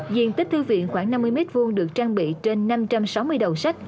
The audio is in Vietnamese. diện tích thư viện khoảng năm mươi mét vuông được trang bị trên năm trăm sáu mươi đầu sách